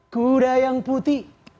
kuda yang putih